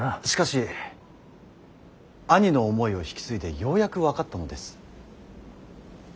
しかし兄の思いを引き継いでようやく分かったのです。